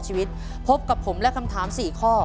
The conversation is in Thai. ขอให้คุณพระคุ้มครองและมีแต่สิ่งดีเข้ามาในครอบครัวนะครับ